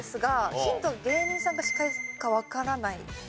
ヒント芸人さんか司会かわからない。